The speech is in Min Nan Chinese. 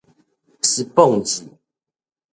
スポンジ